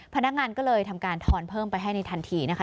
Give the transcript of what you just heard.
พนักงานก็เลยทำการทอนเพิ่มไปให้ในทันทีนะคะ